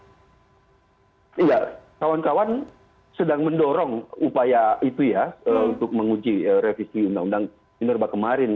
iya kawan kawan sedang mendorong upaya itu ya untuk menguji revisi undang undang minerba kemarin